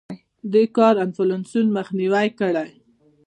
دې کار انفلاسیون مخنیوی کړی.